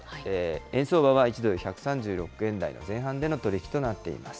円相場は１ドル１３６円台の前半での取り引きとなっています。